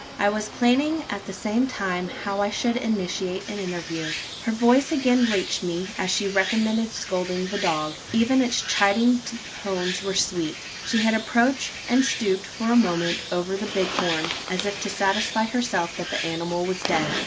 I was planning, at the same time, how I should initiate an interview. Her voice again reached me, as she recommenced scolding the dog: even its chiding tones were sweet. She had approached, and stooped for a moment over the bighorn, as if to satisfy herself that the animal was dead.